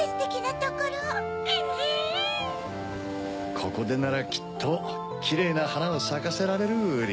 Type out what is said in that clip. ここでならきっとキレイなはなをさかせられるウリ。